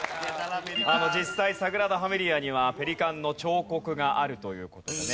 実際サグラダ・ファミリアにはペリカンの彫刻があるという事でね。